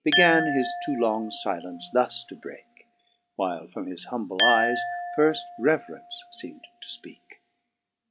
Began his too long filence thus to breake. While from his humble eies firft reverence feem'd to fpeake.